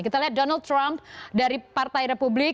kita lihat donald trump dari partai republik